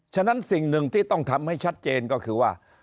ฉะนั้นสิ่งหนึ่งที่ต้องทำให้ชัดเจนก็คือว่า